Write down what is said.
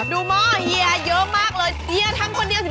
ดูหม้อเหยียเยอะมากเลยเหยียทำคนเดียว๑๒หม้อเหรอ